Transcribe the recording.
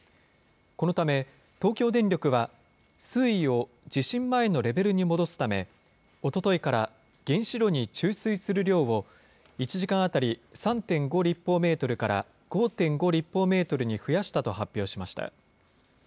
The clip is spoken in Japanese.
このため東京電力は、水位を地震前のレベルに戻すため、おとといから原子炉に注水する量を、１時間当たり３．５立方メートルから５．５立方メートルに増やしたと発表しました。